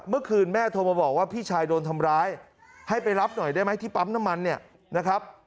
เมื่อคืนแม่โทรมาบอกว่าพี่ชายโดนทำร้ายให้ไปรับหน่อยได้ไหมที่ปั๊มน้ำมันเนี่ยนะครับ